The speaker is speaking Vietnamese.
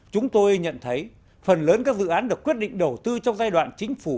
chúng tôi nhận thấy phần lớn các dự án được quyết định đầu tư trong giai đoạn chính phủ